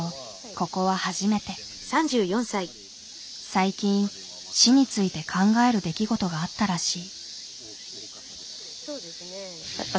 最近死について考える出来事があったらしい。